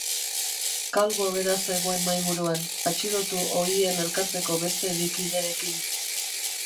Calvo bera zegoen mahaiburuan, atxilotu ohien elkarteko beste bi kiderekin.